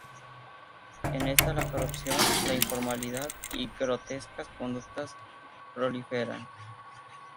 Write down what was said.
En esta la corrupción, la informalidad y grotescas conductas proliferan.